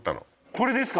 これですか？